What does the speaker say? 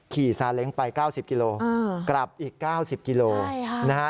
ซาเล้งไป๙๐กิโลกลับอีก๙๐กิโลนะฮะ